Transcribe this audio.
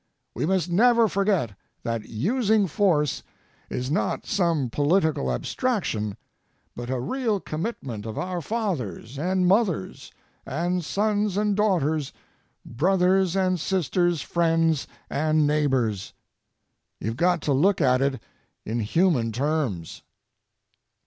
We must never forget that using force is not some political abstraction but a real commitment of our fathers and mothers and sons and daughters, brothers and sisters, friends and neighbors. You've got to look at it in human terms.